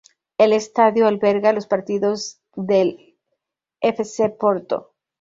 El estadio alberga los partidos del F. C. Porto.